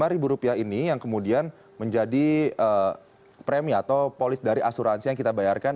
lima ribu rupiah ini yang kemudian menjadi premie atau polis dari asuransi yang kita bayarkan